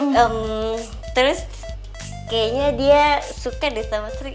lalu sepertinya dia suka dengan sri